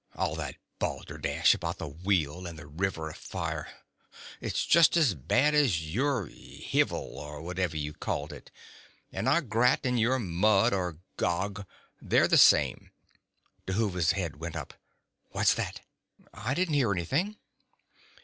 All that balderdash about the Wheel and the River of Fire. It's just as bad as your Hivvel or whatever you called it. And our Grat and your Mud, or Gog: they're the same " Dhuva's head went up. "What's that?" "I didn't hear anything."